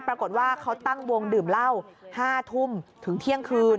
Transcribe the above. ปรากฏว่าเขาตั้งวงดื่มเหล้า๕ทุ่มถึงเที่ยงคืน